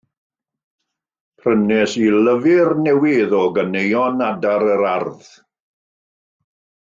Prynais i lyfr newydd o ganeuon adar yr ardd.